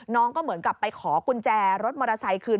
ก็เหมือนกับไปขอกุญแจรถมอเตอร์ไซค์คืน